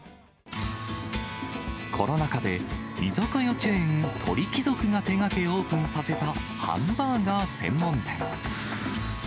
コロナ禍で居酒屋チェーン、鳥貴族が手がけオープンさせたハンバーガー専門店。